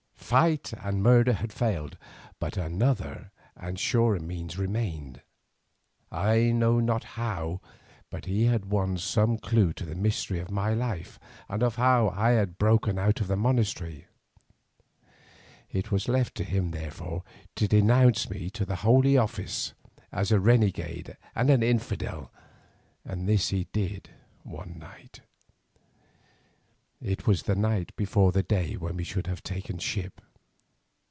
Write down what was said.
Fight and murder had failed, but another and surer means remained. I know not how, but he had won some clue to the history of my life, and of how I had broken out from the monastery. It was left to him, therefore, to denounce me to the Holy Office as a renegade and an infidel, and this he did one night; it was the night before the day when we should have taken ship.